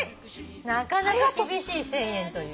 なかなか厳しい１，０００円という。